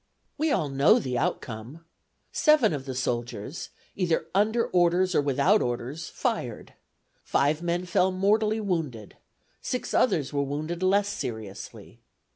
We all know the outcome. Seven of the soldiers, "either under orders or without orders," fired: five men fell mortally wounded: six others were wounded less seriously.